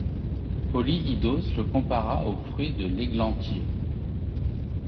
Polyidos le compara au fruit de l'églantier.